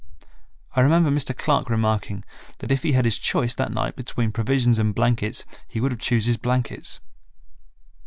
I remember Mr. Clark remarking that if he had his choice that night between provisions and blankets he would choose his blankets.